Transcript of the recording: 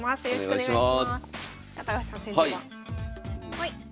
はい。